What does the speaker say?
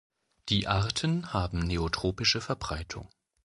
Die Arten haben neotropische Verbreitung.